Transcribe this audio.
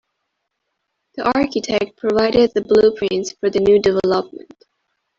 The architect provided the blueprints for the new development.